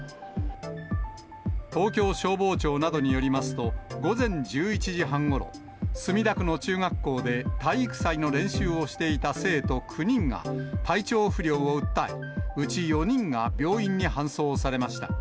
東京消防庁などによりますと、午前１１時半ごろ、墨田区の中学校で体育祭の練習をしていた生徒９人が、体調不良を訴え、うち４人が病院に搬送されました。